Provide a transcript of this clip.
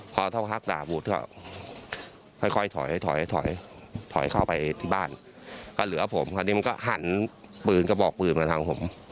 พอเท่าพักด่าบุตรก็ค่อยถอยถอยเข้าไปที่บ้านก็เหลือผมคราวนี้มันก็หันปืนกระบอกปืนมาทางผม